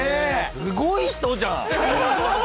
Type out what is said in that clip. すごい人じゃん！